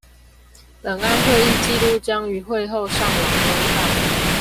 本案會議紀錄將於會後上網公告